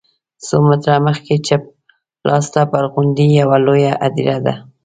څو متره مخکې چپ لاس ته پر غونډۍ یوه لویه هدیره ده.